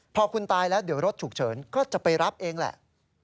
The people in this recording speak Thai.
พอคุณตายแล้วเดี๋ยวรถฉุกเฉินก็จะไปรับเองแหละ